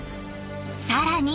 更に。